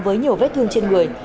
với nhiều vết thương trên người